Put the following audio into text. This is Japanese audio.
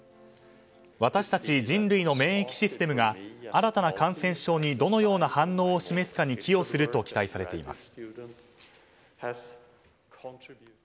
私たち人類の免疫システムが新たな感染症にどのような反応を示すかに寄与すると期待されています。